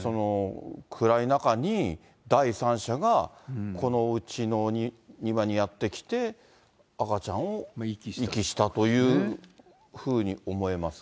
暗い中に第三者がこのおうちの庭にやって来て、赤ちゃんを遺棄したというふうに思えますか。